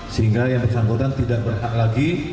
sehingga yang bersangkutan tidak berhak lagi